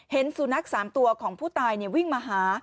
สุนัข๓ตัวของผู้ตายวิ่งมาหา